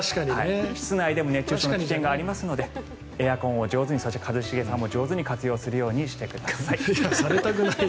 室内でも熱中症の危険がありますのでエアコンを上手にそして一茂さんも上手に活用してください。